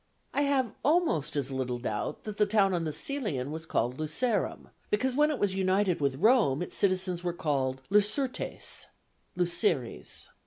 I have almost as little doubt that the town on the Cælian was called Lucerum, because when it was united with Rome, its citizens were called, Lucertes (Luceres).